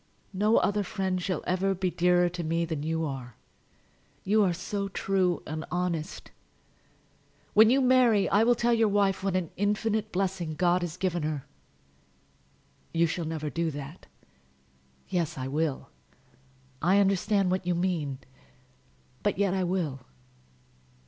No other friend shall ever be dearer to me than you are. You are so true and honest! When you marry I will tell your wife what an infinite blessing God has given her." "You shall never do that." "Yes, I will. I understand what you mean; but yet I will."